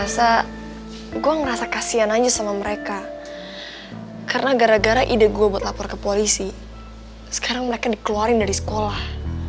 sekarang mereka dikeluarin dari sekolah